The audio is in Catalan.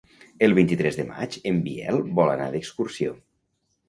El vint-i-tres de maig en Biel vol anar d'excursió.